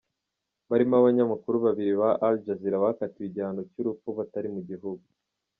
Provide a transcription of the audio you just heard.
Barimo abanyamakuru babiri ba Al Jazeera bakatiwe igihano cy'urupfu batari mu gihugu.